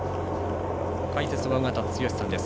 解説は尾方剛さんです。